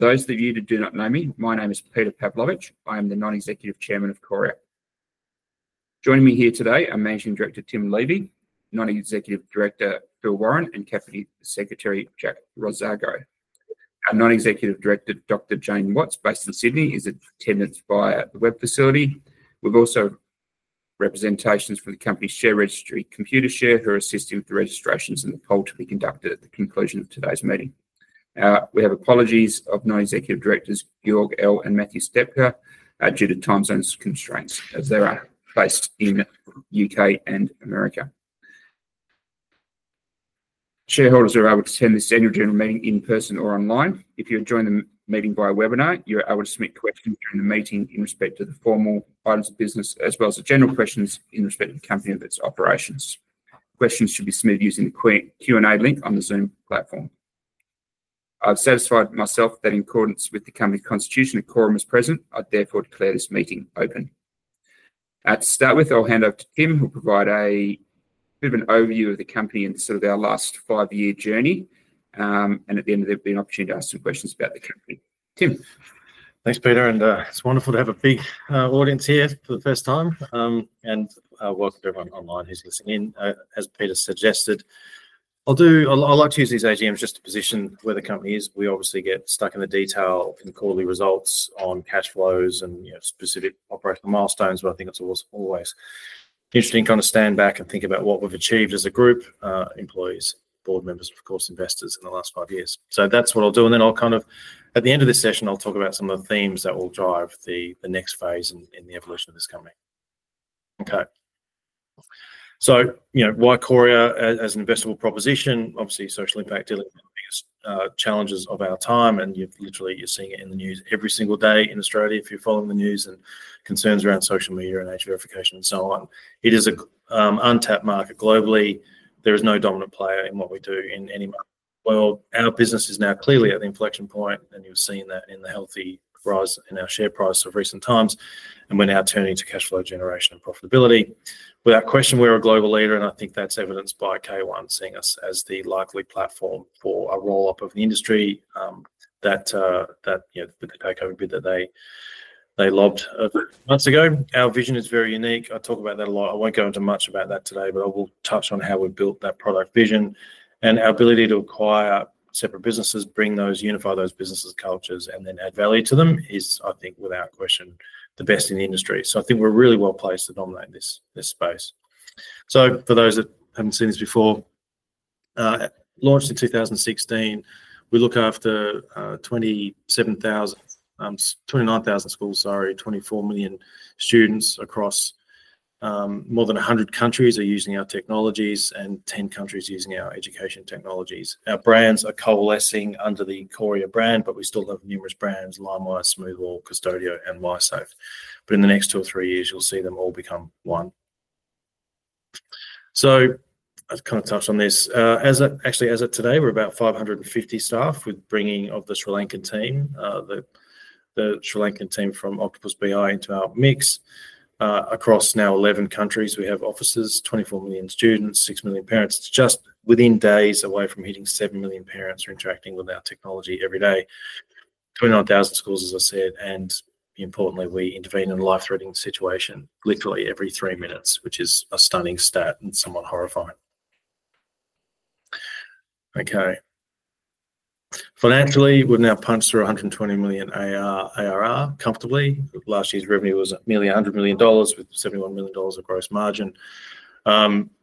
For those of you that do not know me, my name is Peter Pawlowitsch. I am the Non-Executive Chairman of Qoria. Joining me here today are Managing Director Tim Levy, Non-Executive Director Phil Warren, and Deputy Secretary Jack Rosagro. Our Non-Executive Director, Dr. Jane Watts, based in Sydney, is attending via the web facility. We've also representations from the company's share registry, Computershare, who are assisting with the registrations and the poll to be conducted at the conclusion of today's meeting. We have apologies of Non-Executive Directors Georg Ell and Matthew Stepka due to time zone constraints as they are based in the U.K. and America. Shareholders are able to attend this annual general meeting in person or online. If you're joining the meeting via webinar, you're able to submit questions during the meeting in respect to the formal items of business, as well as the general questions in respect to the company and its operations. Questions should be submitted using the Q&A link on the Zoom platform. I've satisfied myself that in accordance with the company's Constitution, a quorum is present. I therefore declare this meeting open. To start with, I'll hand over to Tim, who will provide a bit of an overview of the company and sort of our last five-year journey, and at the end, there'll be an opportunity to ask some questions about the company. Tim. Thanks, Peter. And it's wonderful to have a big audience here for the first time. And welcome to everyone online who's listening in. As Peter suggested, I'd like to use these AGMs just to position where the company is. We obviously get stuck in the detail and quarterly results on cash flows and specific operational milestones, but I think it's always interesting to kind of stand back and think about what we've achieved as a group, employees, board members, of course, investors in the last five years. So that's what I'll do. And then I'll kind of, at the end of this session, I'll talk about some of the themes that will drive the next phase in the evolution of this company. Okay. So why Qoria as an investable proposition? Obviously, social impact dealing with the biggest challenges of our time. Literally, you're seeing it in the news every single day in Australia if you're following the news and concerns around social media and age verification and so on. It is an untapped market globally. There is no dominant player in what we do in any market. Our business is now clearly at the inflection point, and you've seen that in the healthy rise in our share price of recent times and we're now turning to cash flow generation and profitability. Without question, we're a global leader, and I think that's evidenced by K1 seeing us as the likely platform for a roll-up of the industry that the takeover bid that they lobbed months ago. Our vision is very unique. I talk about that a lot. I won't go into much about that today, but I will touch on how we've built that product vision. Our ability to acquire separate businesses, bring those, unify those businesses, cultures, and then add value to them is, I think, without question, the best in the industry. So I think we're really well placed to dominate this space. So for those that haven't seen this before, launched in 2016, we look after 27,000, 29,000 schools, sorry, 24 million students across more than 100 countries are using our technologies and 10 countries using our education technologies. Our brands are coalescing under the Qoria brand, but we still have numerous brands: Linewize, Smoothwall, Qustodio, and ySafe. But in the next two or three years, you'll see them all become one. So I've kind of touched on this. Actually, as of today, we're about 550 staff with bringing of the Sri Lankan team from Octopus BI into our mix across now 11 countries. We have offices, 24 million students, 6 million parents. It's just within days away from hitting 7 million parents who are interacting with our technology every day. 29,000 schools, as I said, and importantly, we intervene in a life-threatening situation literally every three minutes, which is a stunning stat and somewhat horrifying. Okay. Financially, we've now punched through 120 million ARR comfortably. Last year's revenue was nearly 100 million dollars with 71 million dollars of gross margin.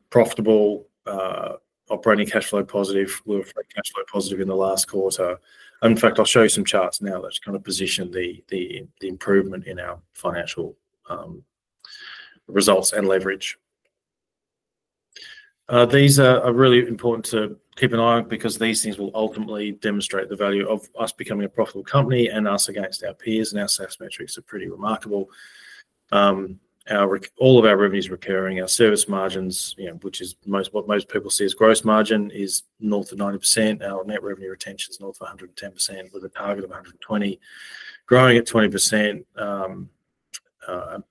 Profitable, operating cash flow positive, we've had cash flow positive in the last quarter. In fact, I'll show you some charts now that kind of position the improvement in our financial results and leverage. These are really important to keep an eye on because these things will ultimately demonstrate the value of us becoming a profitable company and us against our peers, and our SaaS metrics are pretty remarkable. All of our revenues are recurring. Our service margins, which is what most people see as gross margin, is north of 90%. Our net revenue retention is north of 110% with a target of 120%, growing at 20%.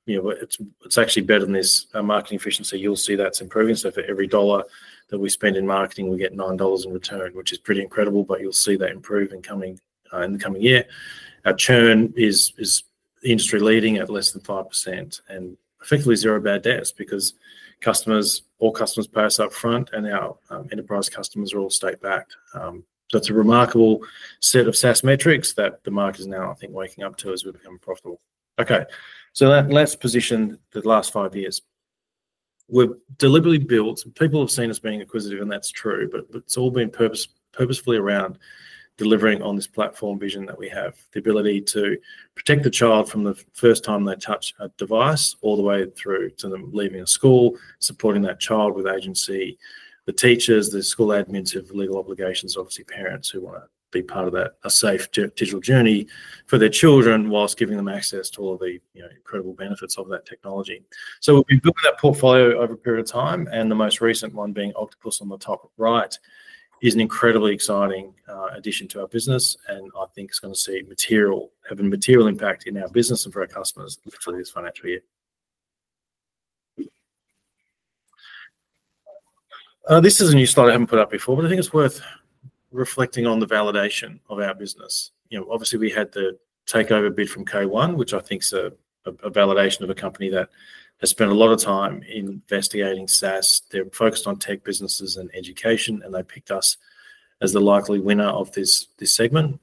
It's actually better than this. Our marketing efficiency, you'll see that's improving. So for every dollar that we spend in marketing, we get $9 in return, which is pretty incredible, but you'll see that improve in the coming year. Our churn is industry-leading at less than 5% and effectively zero bad debts because all customers pay us upfront, and our enterprise customers are all state-backed. That's a remarkable set of SaaS metrics that the market is now, I think, waking up to as we become profitable. Okay. So let's position the last five years. We've deliberately built. Some people have seen us being inquisitive, and that's true, but it's all been purposefully around delivering on this platform vision that we have, the ability to protect the child from the first time they touch a device all the way through to them leaving a school, supporting that child with agency. The teachers, the school admins have legal obligations, obviously parents who want to be part of that safe digital journey for their children whilst giving them access to all of the incredible benefits of that technology. So we've built that portfolio over a period of time, and the most recent one being Octopus on the top right is an incredibly exciting addition to our business, and I think it's going to have a material impact in our business and for our customers for this financial year. This is a new slide I haven't put up before, but I think it's worth reflecting on the validation of our business. Obviously, we had the takeover bid from K1, which I think is a validation of a company that has spent a lot of time investigating SaaS. They're focused on tech businesses and education, and they picked us as the likely winner of this segment.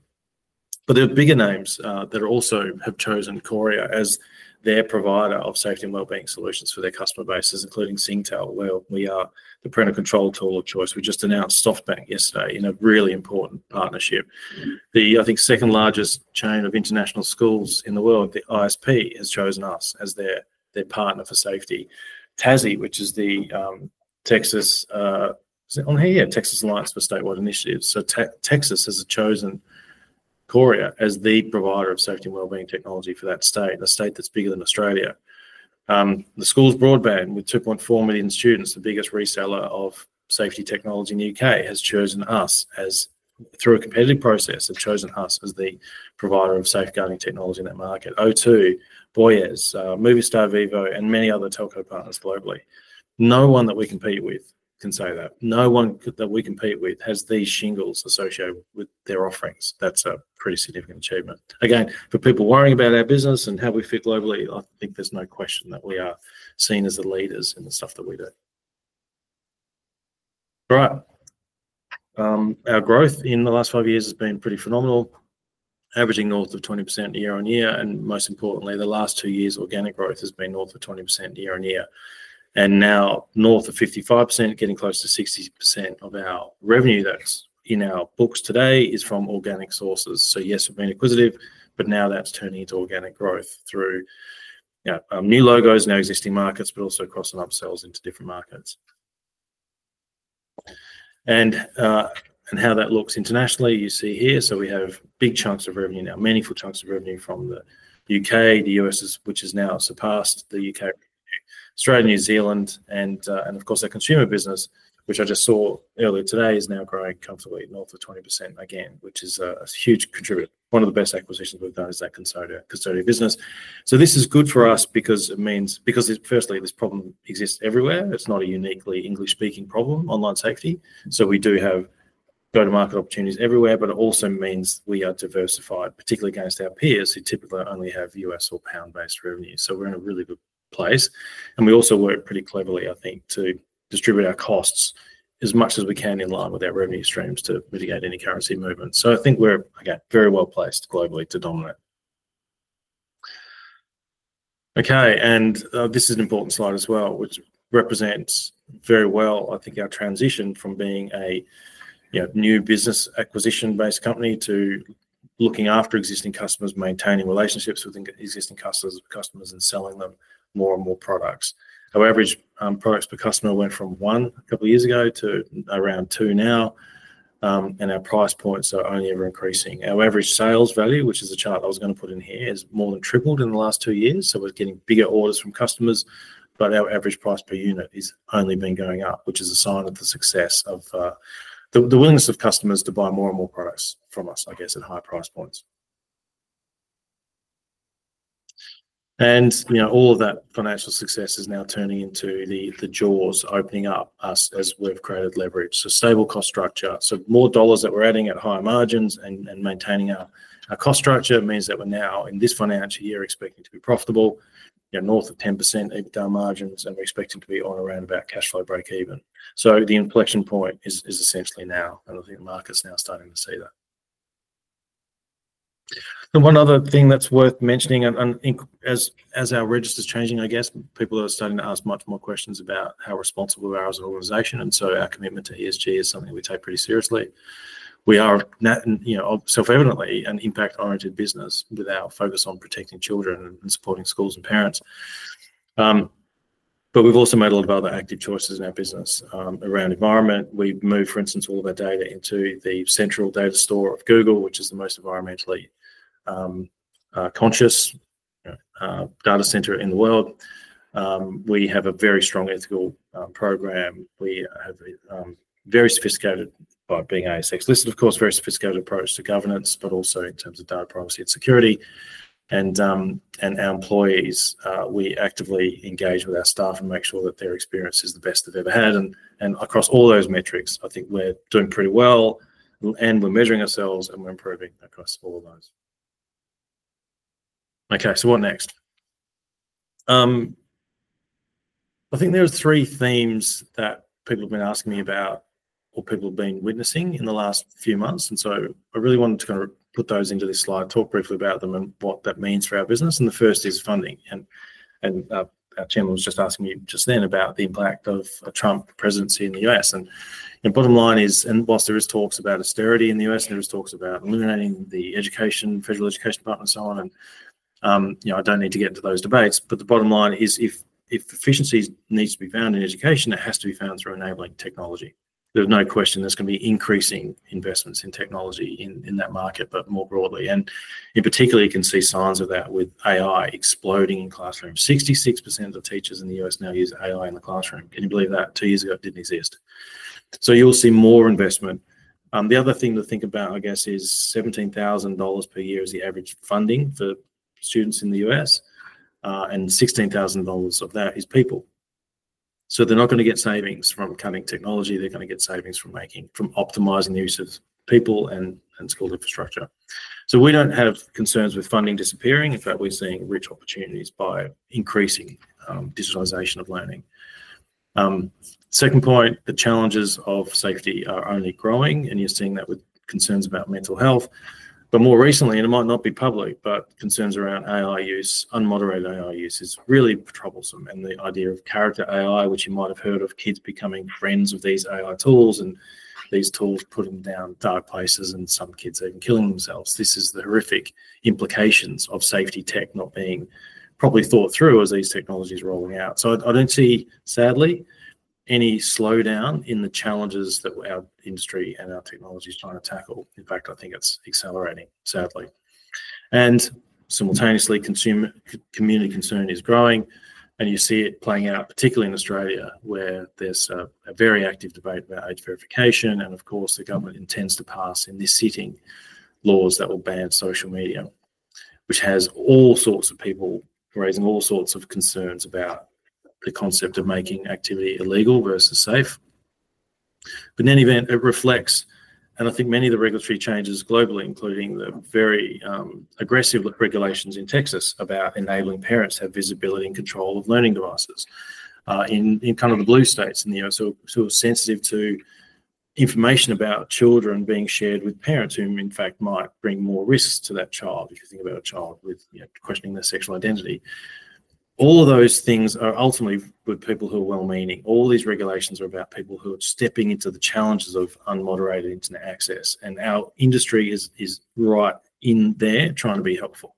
But there are bigger names that also have chosen Qoria as their provider of safety and wellbeing solutions for their customer bases, including Singtel, where we are the parental control tool of choice. We just announced SoftBank yesterday in a really important partnership. The, I think, second largest chain of international schools in the world, the ISP, has chosen us as their partner for safety. TASB, which is the Texas is it on here? Yeah, Texas Association of School Boards. So Texas has chosen Qoria as the provider of safety and wellbeing technology for that state, a state that's bigger than Australia. Schools Broadband with 2.4 million students, the biggest reseller of safety technology in the U.K., has chosen us as, through a competitive process, has chosen us as the provider of safeguarding technology in that market. O2, Bouygues, Movistar, Vivo, and many other telco partners globally. No one that we compete with can say that. No one that we compete with has these shingles associated with their offerings. That's a pretty significant achievement. Again, for people worrying about our business and how we fit globally, I think there's no question that we are seen as the leaders in the stuff that we do. All right. Our growth in the last five years has been pretty phenomenal, averaging north of 20% year on year. And most importantly, the last two years, organic growth has been north of 20% year on year. And now north of 55%, getting close to 60% of our revenue that's in our books today is from organic sources. So yes, we've been inquisitive, but now that's turning into organic growth through new logos, now existing markets, but also crossing upsells into different markets. And how that looks internationally, you see here. So we have big chunks of revenue now, meaningful chunks of revenue from the U.K., the U.S., which has now surpassed the U.K., Australia, New Zealand. And of course, our consumer business, which I just saw earlier today, is now growing comfortably north of 20% again, which is a huge contributor. One of the best acquisitions we've done is that Qustodio business. So this is good for us because it means, firstly, this problem exists everywhere. It's not a uniquely English-speaking problem, online safety, so we do have go-to-market opportunities everywhere, but it also means we are diversified, particularly against our peers who typically only have U.S. or pound-based revenue. So we're in a really good place, and we also work pretty cleverly, I think, to distribute our costs as much as we can in line with our revenue streams to mitigate any currency movement, so I think we're very well placed globally to dominate. Okay, and this is an important slide as well, which represents very well, I think, our transition from being a new business acquisition-based company to looking after existing customers, maintaining relationships with existing customers, and selling them more and more products. Our average products per customer went from one a couple of years ago to around two now, and our price points are only ever increasing. Our average sales value, which is the chart I was going to put in here, has more than tripled in the last two years, so we're getting bigger orders from customers, but our average price per unit has only been going up, which is a sign of the success of the willingness of customers to buy more and more products from us, I guess, at high price points, and all of that financial success is now turning into the jaws opening up as we've created leverage, so stable cost structure, so more dollars that we're adding at high margins and maintaining our cost structure means that we're now, in this financial year, expecting to be profitable, north of 10% EBITDA margins, and we're expecting to be on around about cash flow break-even, so the inflection point is essentially now, and I think the market's now starting to see that. One other thing that's worth mentioning, and as our regulators are changing, I guess, people are starting to ask much more questions about how responsible we are as an organization. So our commitment to ESG is something we take pretty seriously. We are self-evidently an impact-oriented business with our focus on protecting children and supporting schools and parents. But we've also made a lot of other active choices in our business around environment. We move, for instance, all of our data into the central data store of Google, which is the most environmentally conscious data center in the world. We have a very strong ethical program. We have a very sophisticated, by being ASX-listed, of course, very sophisticated approach to governance, but also in terms of data privacy and security. And our employees, we actively engage with our staff and make sure that their experience is the best they've ever had. And across all those metrics, I think we're doing pretty well, and we're measuring ourselves, and we're improving across all of those. Okay. So what next? I think there are three themes that people have been asking me about or people have been witnessing in the last few months. And so I really wanted to kind of put those into this slide, talk briefly about them and what that means for our business. And the first is funding. And our Tim was just asking me just then about the impact of a Trump presidency in the U.S. And bottom line is, and whilst there are talks about austerity in the U.S., there are talks about eliminating the federal education department and so on. I don't need to get into those debates, but the bottom line is if efficiency needs to be found in education, it has to be found through enabling technology. There's no question there's going to be increasing investments in technology in that market, but more broadly. And particularly, you can see signs of that with AI exploding in classrooms. 66% of teachers in the U.S. now use AI in the classroom. Can you believe that? Two years ago, it didn't exist. So you'll see more investment. The other thing to think about, I guess, is $17,000 per year is the average funding for students in the U.S., and $16,000 of that is people. So they're not going to get savings from cutting technology. They're going to get savings from optimizing the use of people and school infrastructure. So we don't have concerns with funding disappearing. In fact, we're seeing rich opportunities by increasing digitalization of learning. Second point, the challenges of safety are only growing, and you're seeing that with concerns about mental health. But more recently, and it might not be public, but concerns around AI use, unmoderated AI use is really troublesome. And the idea of Character.AI, which you might have heard of, kids becoming friends of these AI tools and these tools putting them down dark places, and some kids are even killing themselves. This is the horrific implications of safety tech not being properly thought through as these technologies are rolling out. So I don't see, sadly, any slowdown in the challenges that our industry and our technology is trying to tackle. In fact, I think it's accelerating, sadly. Simultaneously, community concern is growing, and you see it playing out, particularly in Australia, where there's a very active debate about age verification. Of course, the government intends to pass, in this sitting, laws that will ban social media, which has all sorts of people raising all sorts of concerns about the concept of making activity illegal versus safe. In any event, it reflects, and I think many of the regulatory changes globally, including the very aggressive regulations in Texas about enabling parents to have visibility and control of learning devices in kind of the blue states in the U.S., who are sensitive to information about children being shared with parents who, in fact, might bring more risks to that child if you think about a child questioning their sexual identity. All of those things are ultimately with people who are well-meaning. All these regulations are about people who are stepping into the challenges of unmoderated internet access, and our industry is right in there trying to be helpful,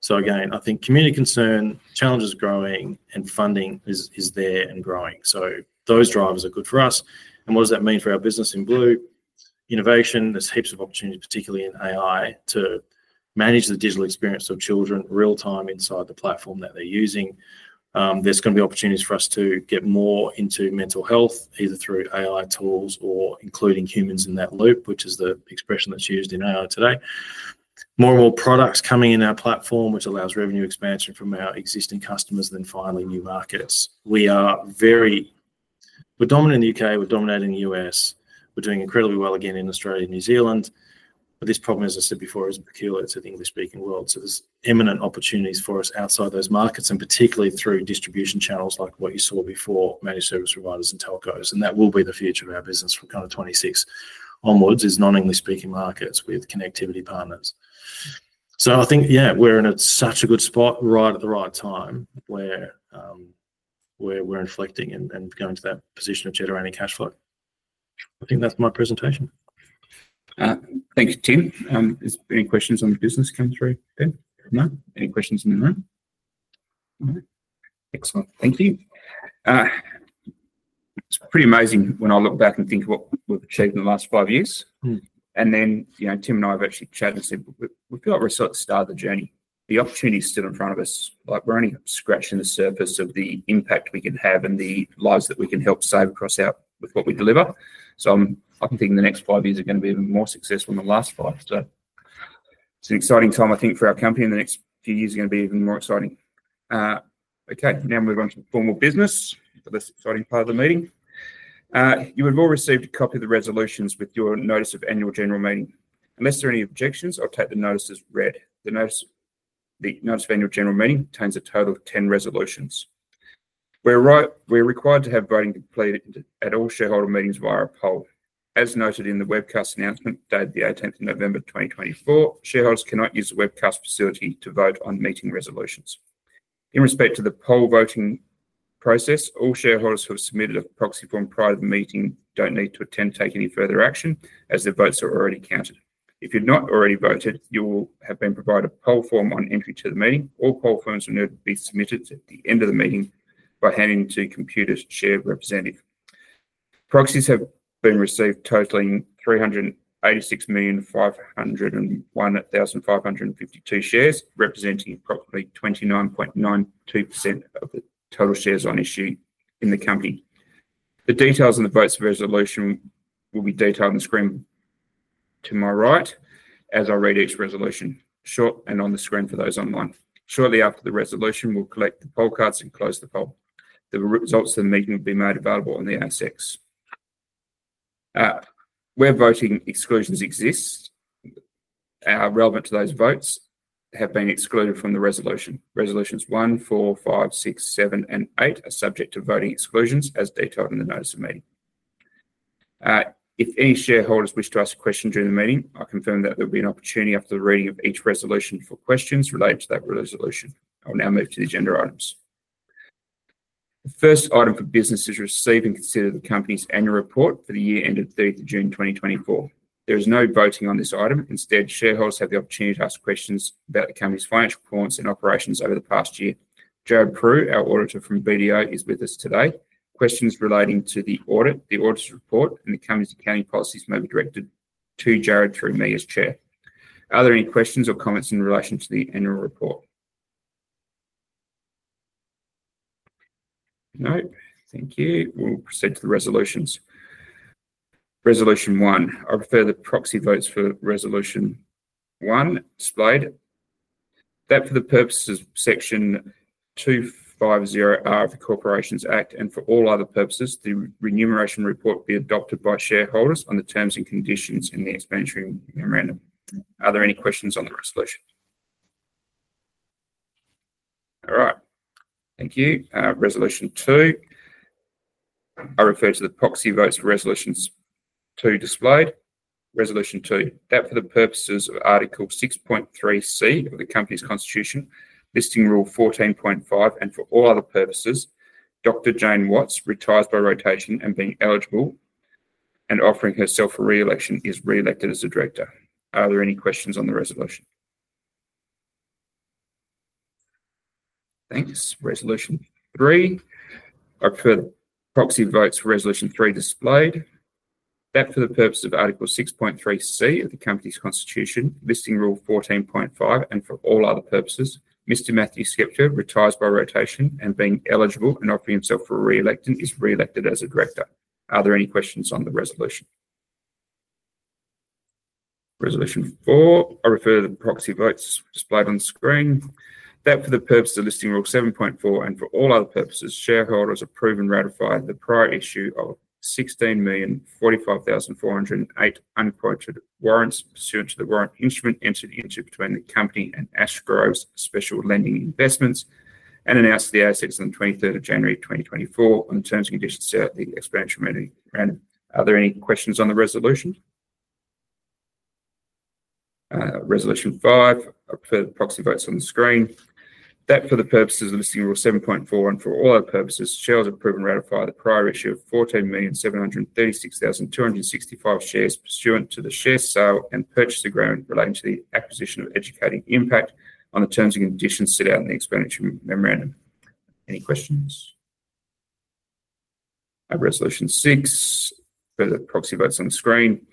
so again, I think community concern, challenges growing, and funding is there and growing, so those drivers are good for us. And what does that mean for our business in view? Innovation. There's heaps of opportunity, particularly in AI, to manage the digital experience of children real-time inside the platform that they're using. There's going to be opportunities for us to get more into mental health, either through AI tools or including humans in that loop, which is the expression that's used in AI today. More and more products coming in our platform, which allows revenue expansion from our existing customers, then finally new markets. We are very dominant in the U.K. We're dominating the U.S. We're doing incredibly well again in Australia and New Zealand. But this problem, as I said before, isn't peculiar. It's an English-speaking world. So there's imminent opportunities for us outside those markets, and particularly through distribution channels like what you saw before, managed service providers and telcos. And that will be the future of our business from kind of 26 onwards is non-English-speaking markets with connectivity partners. So I think, yeah, we're in such a good spot right at the right time where we're inflecting and going to that position of generating cash flow. I think that's my presentation. Thank you, Tim. Any questions on the business coming through? No? Any questions in the room? All right. Excellent. Thank you. It's pretty amazing when I look back and think of what we've achieved in the last five years. Then Tim and I have actually chatted and said, "We've got a resource to start the journey. The opportunity is still in front of us. We're only scratching the surface of the impact we can have and the lives that we can help save across with what we deliver." So I'm thinking the next five years are going to be even more successful than the last five. So it's an exciting time, I think, for our company. And the next few years are going to be even more exciting. Okay. Now we move on to formal business, the less exciting part of the meeting. You have all received a copy of the Resolutions with your notice of Annual General Meeting. Unless there are any objections, I'll take the notice as read. The notice of Annual General Meeting contains a total of 10 Resolutions. We're required to have voting completed at all shareholder meetings via a poll. As noted in the webcast announcement dated the 18th of November 2024, shareholders cannot use the webcast facility to vote on meeting Resolutions. In respect to the poll voting process, all shareholders who have submitted a proxy form prior to the meeting don't need to attempt to take any further action as their votes are already counted. If you've not already voted, you will have been provided a poll form on entry to the meeting. All poll forms are noted to be submitted at the end of the meeting by handing to Computershare representative. Proxies have been received totaling 386,501,552 shares, representing approximately 29.92% of the total shares on issue in the company. The details in the votes for Resolution will be detailed on the screen to my right as I read each Resolution short and on the screen for those online. Shortly after the Resolution, we'll collect the poll cards and close the poll. The results of the meeting will be made available on the ASX. Where voting exclusions exist, relevant to those votes have been excluded from the Resolution. Resolutions 1, 4, 5, 6, 7, and 8 are subject to voting exclusions as detailed in the notice of meeting. If any shareholders wish to ask a question during the meeting, I confirm that there will be an opportunity after the reading of each Resolution for questions related to that Resolution. I'll now move to the agenda items. The first item for business is receive and consider the company's annual report for the year ended 30th of June 2024. There is no voting on this item. Instead, shareholders have the opportunity to ask questions about the company's financial performance and operations over the past year. Jarrad Prue, our auditor from BDO, is with us today. Questions relating to the audit, the auditor's report, and the company's accounting policies may be directed to Jarrad through me as chair. Are there any questions or comments in relation to the annual report? No. Thank you. We'll proceed to the Resolutions. Resolution 1. I prefer the proxy votes for Resolution 1 displayed. That for the purposes of section 250 of the Corporations Act and for all other purposes, the remuneration report be adopted by shareholders on the terms and conditions in the explanatory memorandum. Are there any questions on the Resolution? All right. Thank you. Resolution 2. I refer to the proxy votes for Resolutions 2 displayed. Resolution 2. That for the purposes of Article 6.3C of the Company's Constitution, Listing Rule 14.5, and for all other purposes, Dr. Jane Watts retires by rotation and being eligible and offering herself for re-election is re-elected as a director. Are there any questions on the Resolution? Thanks. Resolution 3. I refer the proxy votes for Resolution 3 displayed. That for the purpose of Article 6.3C of the Company's Constitution, Listing Rule 14.5, and for all other purposes, Mr. Matthew Stepka retires by rotation and being eligible and offering himself for re-election is re-elected as a director. Are there any questions on the Resolution? Resolution 4. I refer to the proxy votes displayed on the screen. That for the purpose of Listing Rule 7.4, and for all other purposes, shareholders approve and ratify the prior issue of 16,045,408 unquoted warrants pursuant to the warrant instrument entered into between the Company and Ashgrove Specialty Lending Investments and announced to the ASX on the 23rd of January 2024 on the terms and conditions set out in the explanatory memorandum. Are there any questions on the Resolution? Resolution 5. I'll put the proxy votes on the screen. That for the purposes of Listing Rule 7.4, and for all other purposes, shareholders approve and ratify the prior issue of 14,736,265 shares pursuant to the share sale and purchase agreement relating to the acquisition of Educator Impact on the terms and conditions set out in the explanatory memorandum. Any questions? Resolution 6. I'll put the proxy votes on the screen.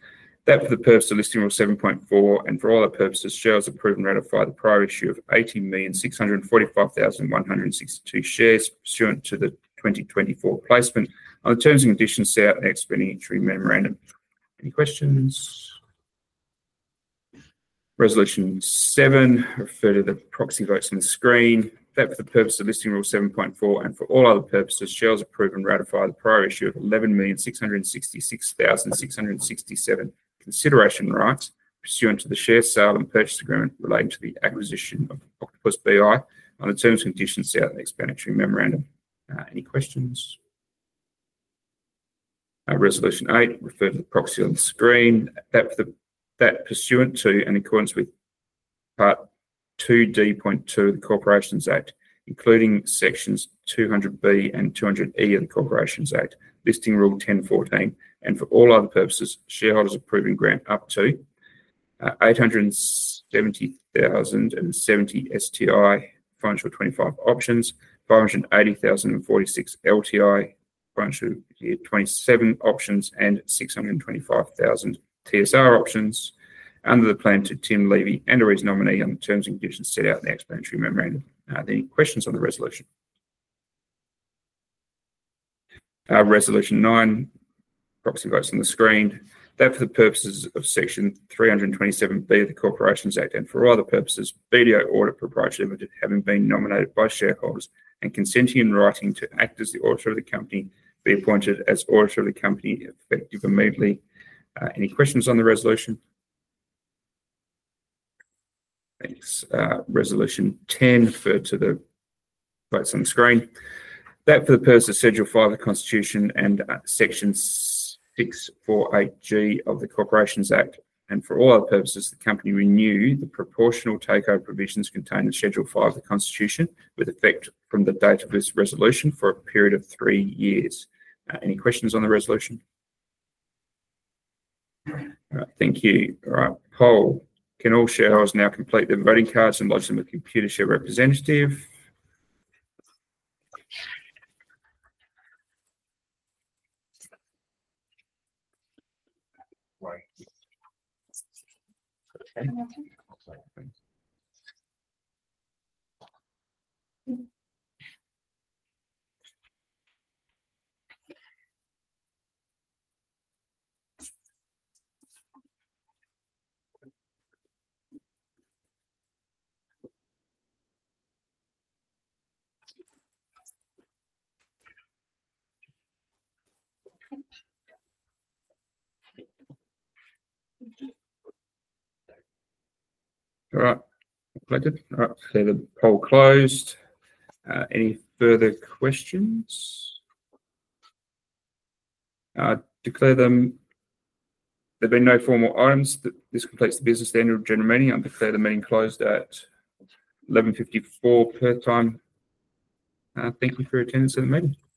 That for the purpose of Listing Rule 7.4, and for all other purposes, shareholders approve and ratify the prior issue of 18,645,162 shares pursuant to the 2024 placement on the terms and conditions set out in the explanatory memorandum. Any questions? Resolution 7. I refer to the proxy votes on the screen. That for the purpose of Listing Rule 7.4, and for all other purposes, shareholders approve and ratify the prior issue of 11,666,667 consideration rights pursuant to the share sale and purchase agreement relating to the acquisition of Octopus BI on the terms and conditions set out in the explanatory memorandum. Any questions? Resolution 8. I refer to the proxy on the screen. That pursuant to and in accordance with part 2D.2 of the Corporations Act, including sections 200B and 200E of the Corporations Act, Listing Rule 10.14, and for all other purposes, shareholders approve and grant up to 870,070 STI, financial 25 options, 580,046 LTI, financial year 27 options, and 625,000 TSR options under the plan to Tim Levy and and/or his nominee on the terms and conditions set out in the explanatory memorandum. Are there any questions on the Resolution? Resolution 9. Proxy votes on the screen. That for the purposes of section 327B of the Corporations Act and for all other purposes, BDO Audit Pty Limited, having been nominated by shareholders and consenting in writing to act as the auditor of the company, be appointed as auditor of the company effective immediately. Any questions on the Resolution? Thanks. Resolution 10. I refer to the votes on the screen. That for the purpose of Schedule 5 of the Constitution and section 648G of the Corporations Act, and for all other purposes, the company renew the proportional takeover provisions contained in Schedule 5 of the Constitution with effect from the date of this Resolution for a period of three years. Any questions on the Resolution? All right. Thank you. All right. Poll. Can all shareholders now complete their voting cards and lodge them with Computershare representative? All right. Declared the poll closed. Any further questions? Declare there have been no formal items. This completes the business of the Annual General Meeting. I'll declare the meeting closed at 11:54A.M. Thank you for attending the meeting.